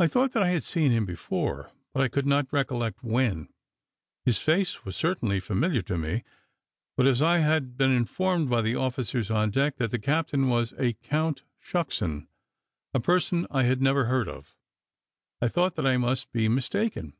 I thought that I had seen him before, but I could not recollect when: his face was certainly familiar to me, but, as I had been informed by the officers on deck, that the captain was a Count Shucksen, a person I had never heard of, I thought that I must be mistaken.